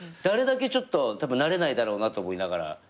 あれだけちょっとたぶん慣れないだろうなと思いながら。